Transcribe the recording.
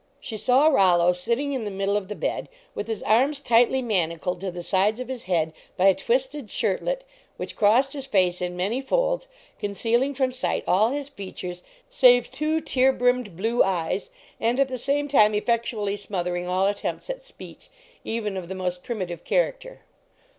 She saw Rollo sitting in the middle of the bed with his arms tightly manacled to the sides of his head by a twisted shirtlet which crossed his face in many folds, concealing from sight all his features save two tear brimmed blue eyes, and at the same time effectually smothering all attempts at speech, even of the most primitive character.